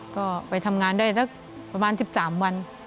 ก็ไปทำงานได้สักประมาณ๑๓วัน